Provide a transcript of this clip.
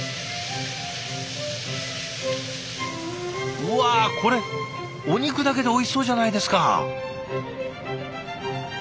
うわこれお肉だけでおいしそうじゃないですか！